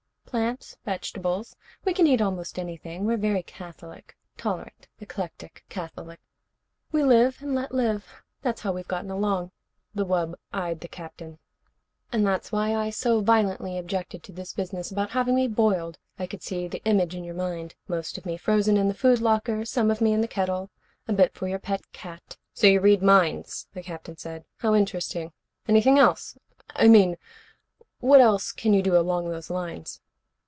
"Plants. Vegetables. We can eat almost anything. We're very catholic. Tolerant, eclectic, catholic. We live and let live. That's how we've gotten along." The wub eyed the Captain. "And that's why I so violently objected to this business about having me boiled. I could see the image in your mind most of me in the frozen food locker, some of me in the kettle, a bit for your pet cat " "So you read minds?" the Captain said. "How interesting. Anything else? I mean, what else can you do along those lines?"